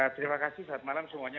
terima kasih saat malam semuanya